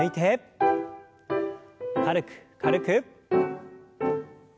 軽く軽く。